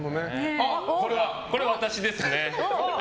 これは私ですね。